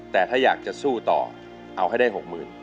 แต่ถ้าอยากจะสู้ต่อเอาให้ได้๖๐๐๐บาท